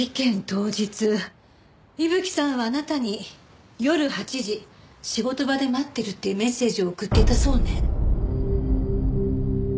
当日伊吹さんはあなたに「夜８時仕事場で待ってる」っていうメッセージを送っていたそうね。